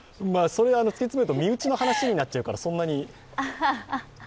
突き詰めると身内の話になっちゃうから、そんなに。